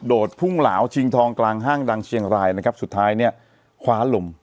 พุ่งเหลาชิงทองกลางห้างดังเชียงรายนะครับสุดท้ายเนี่ยคว้าลม